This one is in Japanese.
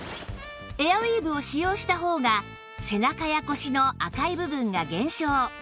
エアウィーヴを使用した方が背中や腰の赤い部分が減少